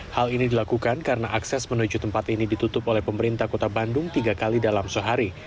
hal ini dilakukan karena akses menuju tempat ini ditutup oleh pemerintah kota bandung tiga kali dalam sehari